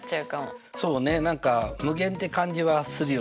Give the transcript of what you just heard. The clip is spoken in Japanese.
何か無限って感じはするよね。